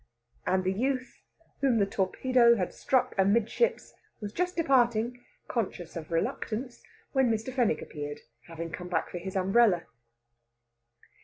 And the youth, whom the torpedo had struck amidships, was just departing, conscious of reluctance, when Mr. Fenwick appeared, having come back for his umbrella.